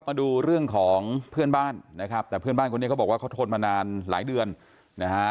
มาดูเรื่องของเพื่อนบ้านนะครับแต่เพื่อนบ้านคนนี้เขาบอกว่าเขาทนมานานหลายเดือนนะฮะ